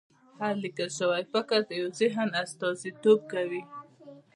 هر لیکل شوی فکر د یو ذهن استازیتوب کوي.